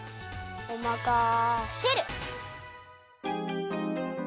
おまかシェル！